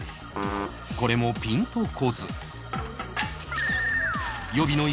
これもピンと来ず